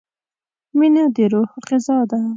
مینه د روح غذا ده.